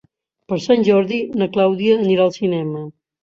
Per Sant Jordi na Clàudia anirà al cinema.